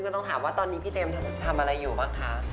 ต้องถามว่าตอนนี้พี่เจมส์ทำอะไรอยู่บ้างคะ